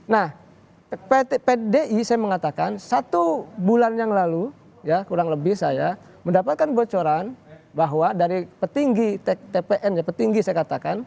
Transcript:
nah pdi saya mengatakan satu bulan yang lalu ya kurang lebih saya mendapatkan bocoran bahwa dari petinggi tpn petinggi saya katakan